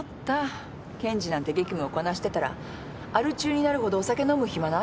検事なんて激務をこなしてたらアル中になるほどお酒飲む暇ないもの。